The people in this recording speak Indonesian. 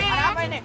ada apa ini